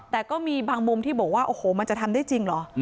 แต่ก็มีบางมุมที่บอกว่าโอ้โหมันจะทำได้จริงเหรอ